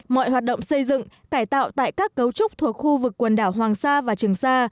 mọi hoạt động xây dựng cải tạo tại các cấu trúc thuộc khu vực quần đảo hoàng sa và trường sa